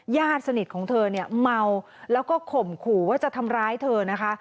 ญาติสนิทของเธอเนี่ยเมาแล้วก็ข่มขู่ว่าจะทำร้ายเธอนะคะ